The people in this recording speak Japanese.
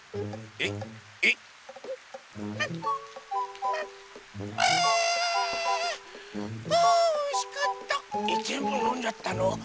えっぜんぶのんじゃったの？